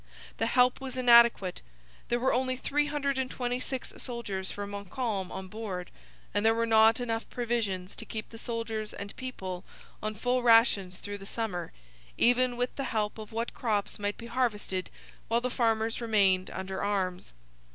The help was inadequate. There were only 326 soldiers for Montcalm on board, and there were not enough provisions to keep the soldiers and people on full rations through the summer, even with the help of what crops might be harvested while the farmers remained under arms.